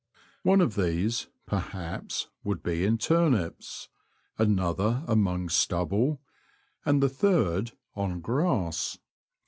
One of these, perhaps, would be in turnips, another among stubble, and the third on grass.